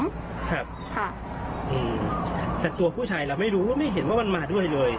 ครับค่ะอืมแต่ตัวผู้ชายเราไม่รู้ไม่เห็นว่ามันมาด้วยเลย